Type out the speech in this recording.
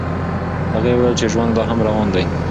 هغې وویل چې ژوند لا هم روان دی.